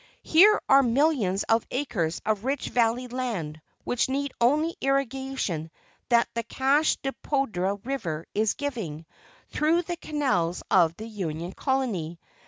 Here are millions of acres of rich valley land, which needed only the irrigation that the Cache de Poudre River is giving through the canals of the Union Colony.